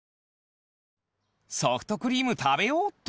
ソフトクリームたべようっと！